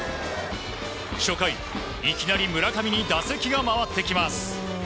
初回、いきなり村上に打席が回ってきます。